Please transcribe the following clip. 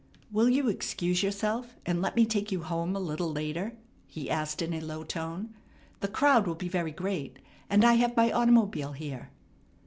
"Will you excuse yourself, and let me take you home a little later?" he asked in a low tone. "The crowd will be very great, and I have my automobile here."